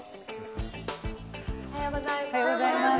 おはようございます。